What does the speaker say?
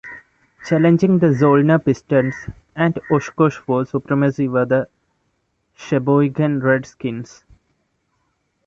Challenging the Zollner Pistons and Oshkosh for supremacy were the Sheboygan Red Skins.